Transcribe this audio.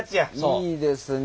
いいですねえ。